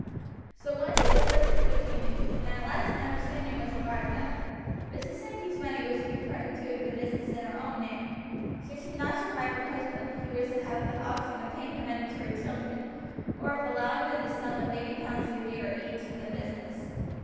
So one day the subject was renewed, and at last an understanding was arrived at. Mrs. Sankey's money was to be put into the business in her own name. Should she not survive her husband, he was to have the option of paying the money to her children or of allowing them the sum of eighty pounds a year each from the business.